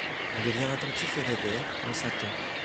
On devient attentif et rêveur, on s'attend